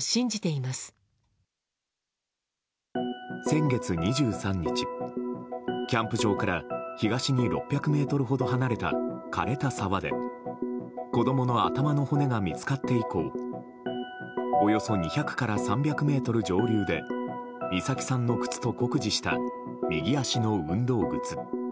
先月２３日、キャンプ場から東に６００ｍほど離れた枯れた沢で子供の頭の骨が見つかって以降およそ２００から３００ｍ上流で美咲さんの靴と酷似した右足の運動靴。